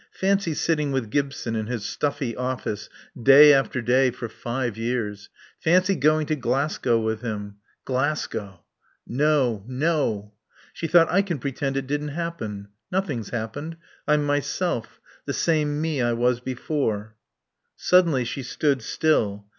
Fancy sitting with Gibson in his stuffy office, day after day, for five years. Fancy going to Glasgow with him. Glasgow No. No. She thought: "I can pretend it didn't happen. Nothing's happened. I'm myself. The same me I was before." Suddenly she stood still.